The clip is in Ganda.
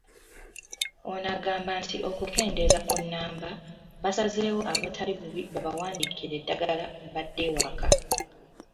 Ono agamba nti okukendeeza ku nnamba, basazewo abatali bubi babawandiikire eddagala badde ewaka.